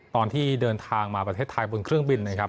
ตอนที่เดินทางมาประเทศไทยบนเครื่องบินนะครับ